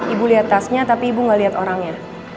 ibu liat tasnya tapi ibu gak liat orangnya